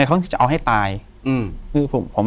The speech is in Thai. อยู่ที่แม่ศรีวิรัยิลครับ